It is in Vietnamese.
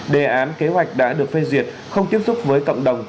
đề án kế hoạch đã được phê duyệt không tiếp xúc với cộng đồng